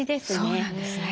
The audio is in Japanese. そうなんですね。